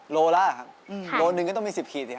ลูละครับลูลหนึ่งก็ต้องมี๑๐ขีดครับ